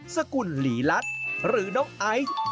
สกุลหลีลัดหรือน้องไอซ์